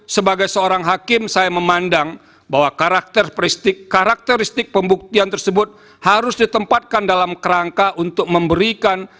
sebagai seorang hakim saya memandang bahwa karakteristik karakteristik pembuktian tersebut harus ditempatkan dalam kerangka untuk memberikan